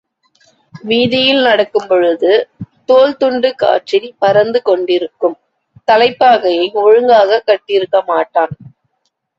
வீதியில் நடக்கும்பொழுது, தோள் துண்டு காற்றில் பறந்து கொண்டிருக்கும், தலைப்பாகையை ஒழுங்காகக் கட்டியிருக்கமாட்டான்.